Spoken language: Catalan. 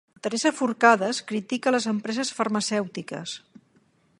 Teresa Forcades critica les empreses farmacèutiques.